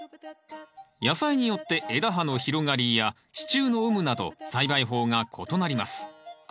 野菜によって枝葉の広がりや支柱の有無など栽培法が異なります。